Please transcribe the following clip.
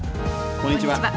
こんにちは。